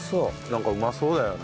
なんかうまそうだよね。